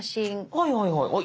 はいはいはいはい。